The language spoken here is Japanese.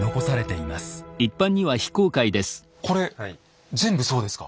これ全部そうですか？